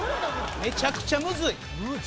めちゃくちゃむずい！